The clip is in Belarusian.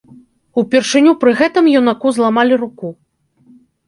Упершыню пры гэтым юнаку зламалі руку.